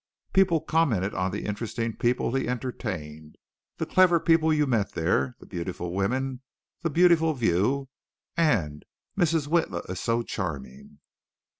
People commented on the interesting people he entertained, the clever people you met there, the beautiful women, the beautiful view. "And Mrs. Witla is so charming."